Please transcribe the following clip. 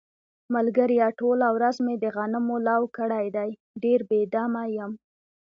ملگریه ټوله ورځ مې د غنمو لو کړی دی، ډېر بې دمه یم.